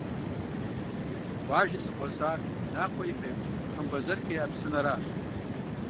Къуажэр зыкъуэсар Нахъуэ и фэеплъ «Хъымбэзэрхэ я псынэращ».